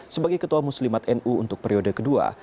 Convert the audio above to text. sebagai ketua muslimat nu untuk periode kedua